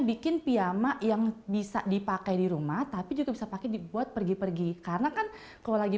bikin piyama yang bisa dipakai di rumah tapi juga bisa pakai dibuat pergi pergi karena kan kalau lagi